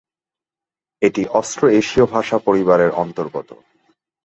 এটি অস্ট্রো-এশীয় ভাষা পরিবারের অন্তঃর্গত।